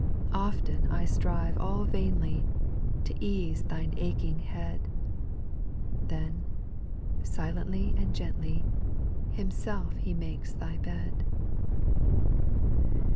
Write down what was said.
2. Often I strive all vainly, To ease thine aching head, Then, silently and gently, Himself He makes thy bed.